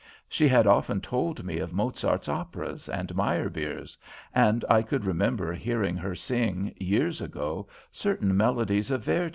She had often told me of Mozart's operas and Meyerbeer's, and I could remember hearing her sing, years ago, certain melodies of Verdi.